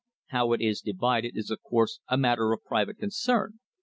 How it is divided is of course a matter of private concern.